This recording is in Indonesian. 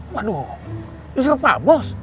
waduh disuruh apa bos